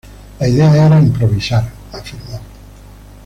La idea era improvisar", afirmó.